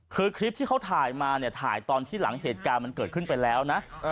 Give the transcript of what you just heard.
คือคลิปที่เขาถ่ายมาเนี่ยถ่ายตอนที่หลังเหตุการณ์มันเกิดขึ้นไปแล้วนะ